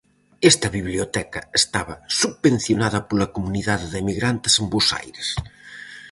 Esta Biblioteca estaba subvencionada pola comunidade de emigrantes en Bos Aires.